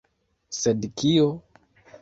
Sed kio?